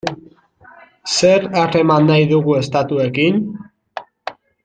Zer harreman nahi dugu estatuekin?